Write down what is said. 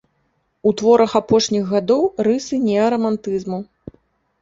У творах апошніх гадоў рысы неарамантызму.